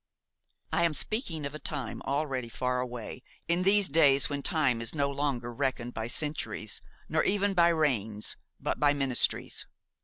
I am speaking of a time already far away, in these days when time is no longer reckoned by centuries, nor even by reigns, but by ministries.